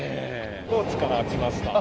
高知から来ました。